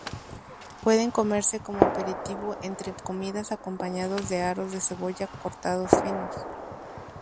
Pueden comerse como aperitivo entre comidas acompañados de aros de cebolla cortados finos.